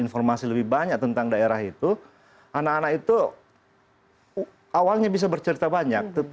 informasi lebih banyak tentang daerah itu anak anak itu awalnya bisa bercerita banyak